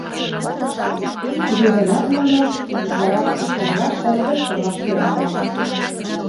Туге гынат нуно утларак кычкырлаш да тӧрштылаш йӧратеныт.